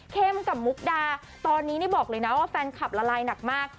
กับมุกดาตอนนี้นี่บอกเลยนะว่าแฟนคลับละลายหนักมาก